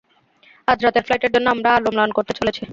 আজ রাতের ফ্লাইটের জন্য আমরা আলো ম্লান করতে চলেছি।